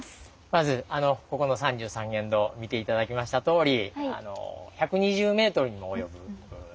まずここの三十三間堂見て頂きましたとおり１２０ｍにも及ぶ長いお堂